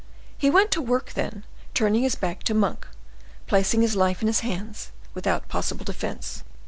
He went to work then, turning his back to Monk, placing his life in his hands, without possible defense.